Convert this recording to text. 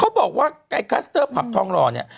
บอกว่าไอ้คลัสเตอร์ผับทองหล่อเนี่ย